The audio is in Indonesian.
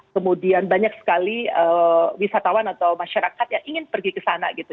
kemudian banyak sekali wisatawan atau masyarakat yang ingin pergi ke sana gitu